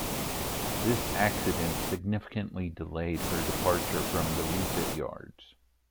This accident significantly delayed her departure from the refit yards.